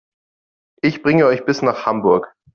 Ich bringe euch bis nach Hamburg